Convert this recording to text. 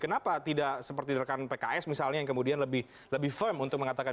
kenapa tidak seperti rekan pks misalnya yang kemudian lebih firm untuk mengatakan